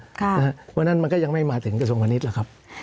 เพราะฉะนั้นมันก็ยังไม่มาถึงกระทรวงพาณิชย์หรอกครับ